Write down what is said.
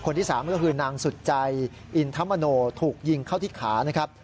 ๓นางสุจัยอินทามโมถูกยิงเข้าที่ขานะครับ